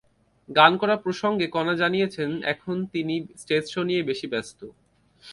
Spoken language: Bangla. গান করা প্রসঙ্গে কণা জানিয়েছেন, এখন তিনি স্টেজ শো নিয়েই বেশি ব্যস্ত।